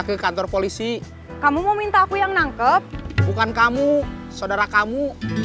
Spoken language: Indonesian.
ke kantor polisi kamu mau minta aku yang nangkep bukan kamu saudara kamu